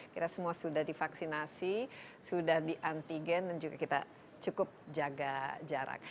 kita semua sudah divaksinasi sudah di antigen dan juga kita cukup jaga jarak